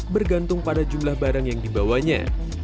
bergantung pada jumlah barang yang dibawanya